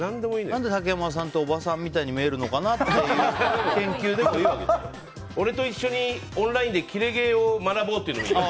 何で竹山さんっておばさんみたいに見えるんだろうなっていう俺と一緒にオンラインでキレ芸を学ぼうという。